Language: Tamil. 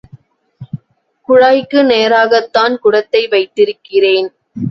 குழாய்க்கு நேராகத்தான் குடத்தை வைத்திருக்கிறேன்.